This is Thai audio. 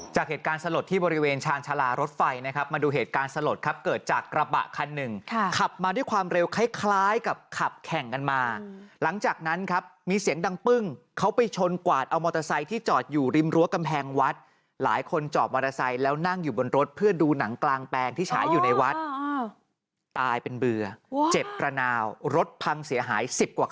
จากเหตุการณ์สลดที่บริเวณชาญชาลารถไฟนะครับมาดูเหตุการณ์สลดครับเกิดจากกระบะคันหนึ่งขับมาด้วยความเร็วคล้ายคล้ายกับขับแข่งกันมาหลังจากนั้นครับมีเสียงดังปึ้งเขาไปชนกวาดเอามอเตอร์ไซค์ที่จอดอยู่ริมรั้วกำแพงวัดหลายคนจอดมอเตอร์ไซค์แล้วนั่งอยู่บนรถเพื่อดูหนังกลางแปลงที่ฉายอยู่ในวัดตายเป็นเบื่อเจ็บระนาวรถพังเสียหาย๑๐กว่าค